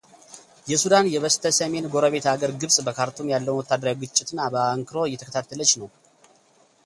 የሱዳን የበስተሰሜን ጎረቤት አገር ግብጽ በካርቱም ያለውን ወታደራዊ ግጭትን በአንክሮ እየተከታተለች ነው።